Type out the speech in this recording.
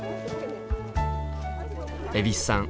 蛭子さん